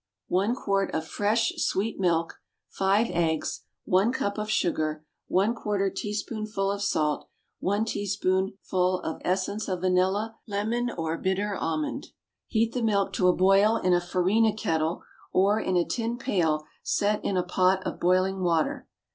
One quart of fresh, sweet milk. Five eggs. One cup of sugar. One quarter teaspoonful of salt. One teaspoonful of essence of vanilla, lemon or bitter almond. Heat the milk to a boil in a farina kettle, or in a tin pail set in a pot of boiling water.